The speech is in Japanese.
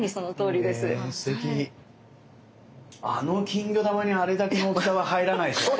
あの金魚玉にあれだけの大きさは入らないでしょ